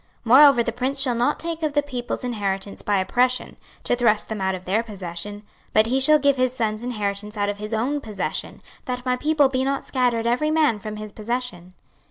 26:046:018 Moreover the prince shall not take of the people's inheritance by oppression, to thrust them out of their possession; but he shall give his sons inheritance out of his own possession: that my people be not scattered every man from his possession.